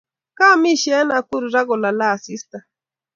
Kaamishe en Nakuru raa kolale asista